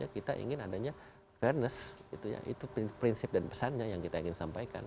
kita ingin adanya fairness itu prinsip dan pesannya yang kita ingin sampaikan